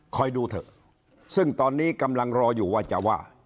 ดูเถอะซึ่งตอนนี้กำลังรออยู่ว่าจะว่า